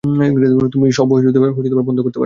তুমি সব বন্ধ করতে পারতে।